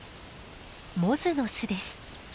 モズの巣です。